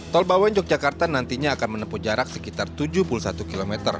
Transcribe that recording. tol bawen yogyakarta nantinya akan menempuh jarak sekitar tujuh puluh satu km